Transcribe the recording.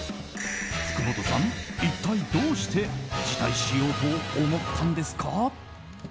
福本さん、一体どうして辞退しようと思ったんですか。